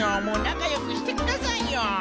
もうなかよくしてくださいよ。